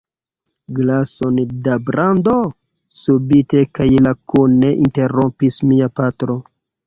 Glason da brando? subite kaj lakone interrompis mia patro.